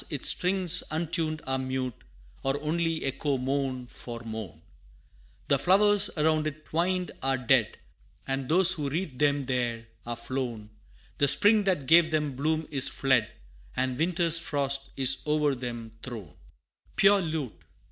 its strings, untuned, are mute, Or only echo moan for moan. The flowers around it twined are dead, And those who wreathed them there, are flown; The spring that gave them bloom is fled, And winter's frost is o'er them thrown. Poor lute!